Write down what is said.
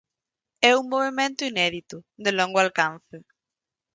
É un movemento inédito, de longo alcance.